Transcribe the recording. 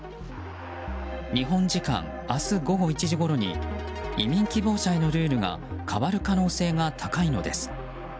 日本時間明日午後１時ごろに移民希望者へのルールが変わる可能性が高いのです。